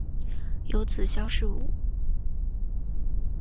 有子萧士赟。